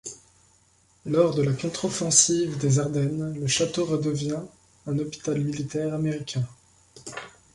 Lors de la contre offensive des ardennes, le château redevient un hôpital militaire américain.